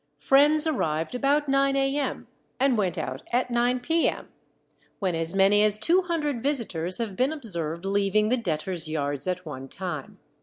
Friends arrived about nine a.m., and went out at nine p.m., when as many as two hundred visitors have been observed leaving the debtors' yards at one time.